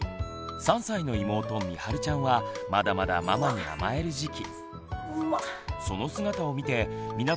３歳の妹みはるちゃんはまだまだママに甘える時期。